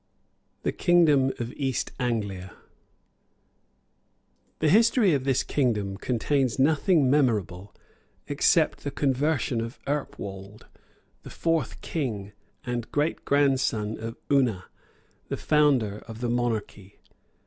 THE KINGDOM OF EAST ANGLIA The history of this kingdom contains nothing memorable except the conversion of Earpwold, the fourth king, and great grandson of Una, the founder of the monarchy.